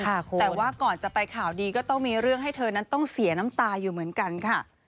แต่ว่าก่อนจะไปข่าวดีก็ต้องมีเรื่องให้เธอนั้นต้องเสียน้ำตาอยู่เหมือนกันค่ะ